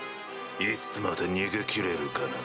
いつまで逃げ切れるかな？